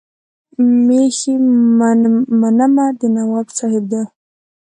مېښې منمه د نواب صاحب دي.